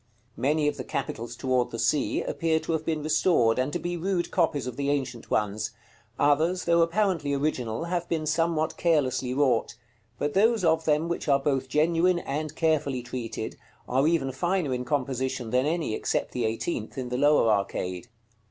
Many of the capitals toward the Sea appear to have been restored, and to be rude copies of the ancient ones; others, though apparently original, have been somewhat carelessly wrought; but those of them, which are both genuine and carefully treated, are even finer in composition than any, except the eighteenth, in the lower arcade.